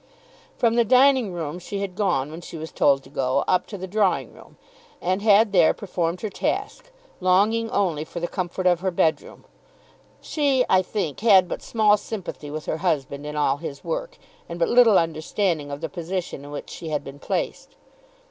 From the dining room she had gone when she was told to go, up to the drawing room, and had there performed her task, longing only for the comfort of her bedroom. She, I think, had but small sympathy with her husband in all his work, and but little understanding of the position in which she had been placed.